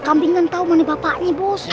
kambing kan tau mana bapaknya bos